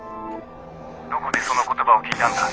「どこでその言葉を聞いたんだ？」。